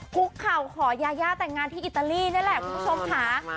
คุกเข่าขอยาย่าแต่งงานที่อิตาลีนี่แหละคุณผู้ชมค่ะ